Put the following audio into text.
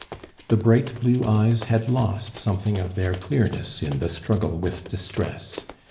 The bright blue eyes had lost something of their clearness in the struggle with distress.